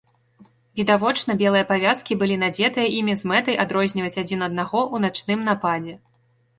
Відавочна, белыя павязкі былі надзетыя імі з мэтай адрозніваць адзін аднаго ў начным нападзе.